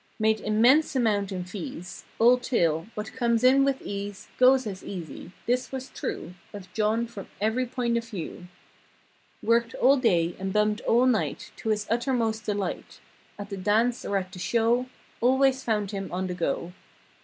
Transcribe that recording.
Made immense amounts in fees. Old tale—"What comes in with ease Goes as easy." This was true Of John from every point of view. Worked all day and bummed all night To his uttermost delight. At the dance or at the show; Always found him on the go.